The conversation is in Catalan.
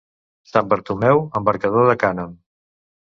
Sant Bartomeu, embarcador de cànem.